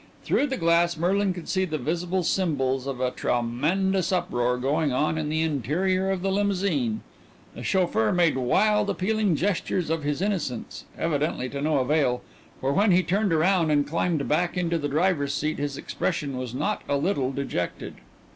Through the glass Merlin could see the visible symbols of a tremendous uproar going on in the interior of the limousine. The chauffeur made wild, appealing gestures of his innocence, evidently to no avail, for when he turned around and climbed back into the driver's seat his expression was not a little dejected.